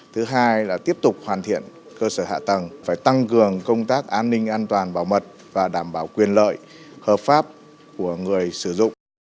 thứ hai là tiếp tục hoàn thiện cơ sở hạ tầng phải tăng cường công tác an ninh an toàn bảo mật và đảm bảo quyền lợi hợp pháp của người sử dụng